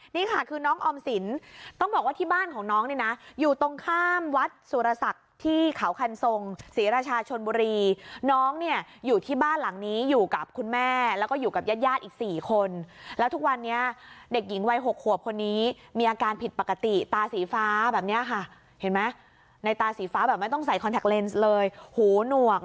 นี่ค่ะคือน้องออมสินต้องบอกว่าที่บ้านของน้องนี่นะอยู่ตรงข้ามวัดสุรศักดิ์ที่เขาคันทรงศรีราชาชนบุรีน้องเนี่ยอยู่ที่บ้านหลังนี้อยู่กับคุณแม่แล้วก็อยู่กับญาติญาติอีก๔คนแล้วทุกวันนี้เด็กหญิงวัย๖ขวบคนนี้มีอาการผิดปกติตาสีฟ้าแบบนี้ค่ะเห็นไหมในตาสีฟ้าแบบไม่ต้องใส่คอนแท็กเลนส์เลยหูหนวก